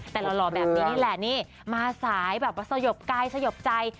แต่หล่อแบบนี้นี่แหละนี่มาสายแบบว่าสยบกายสยบใจ